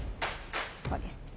そうです。